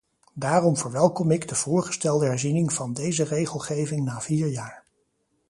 Daarom verwelkom ik de voorgestelde herziening van deze regelgeving na vier jaar.